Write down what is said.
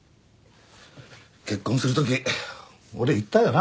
結婚するとき俺言ったよな？